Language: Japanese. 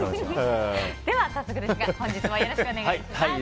では早速ですが本日もよろしくお願いします。